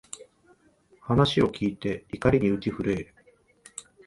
話を聞いて、怒りに打ち震える